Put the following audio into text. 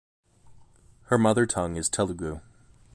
Her mother tongue is Telugu.